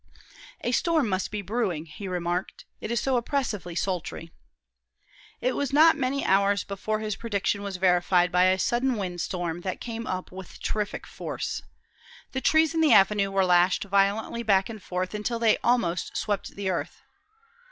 "A storm must be brewing," he remarked. "It is so oppressively sultry." It was not many hours before his prediction was verified by a sudden windstorm that came up with terrific force. The trees in the avenue were lashed violently back and forth until they almost swept the earth.